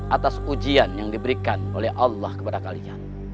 atas ujian yang diberikan oleh allah kepada kalian